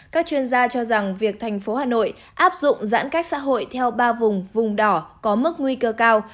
các chuyên gia cho rằng việc thành phố hà nội áp dụng giãn cách xã hội theo ba vùng vùng đỏ có mức nguy cơ cao